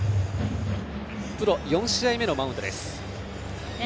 プロ４試合目のマウンドです。